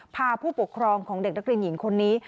พาผู้ปกครองของเด็กนักเรียนหญิงคนนี้